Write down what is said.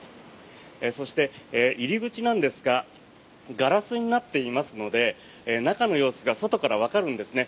そして、入り口なんですがガラスになっていますので中の様子が外からわかるんですね。